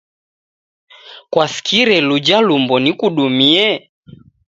Kwasikire luja lumbo nikudumie?